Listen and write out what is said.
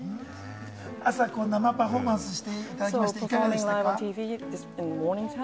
朝、生パフォーマンスしていただきましたが、いかがでしたか？